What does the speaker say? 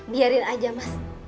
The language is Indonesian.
biarin aja mas